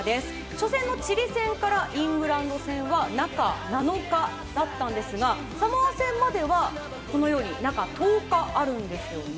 初戦のチリ戦からイングランド戦は中７日だったんですがサモア戦までは中１０日あるんですね。